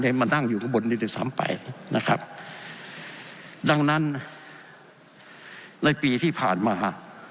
นี้มานั่งอยู่บนนี้ถึงสามไปนะครับดังนั้นในปีที่ผ่านมา